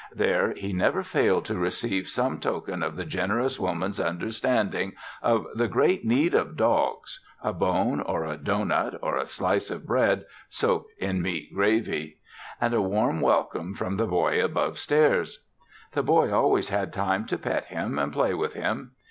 There, he never failed to receive some token of the generous woman's understanding of the great need of dogs a bone or a doughnut or a slice of bread soaked in meat gravy and a warm welcome from the boy above stairs. The boy always had time to pet him and play with him.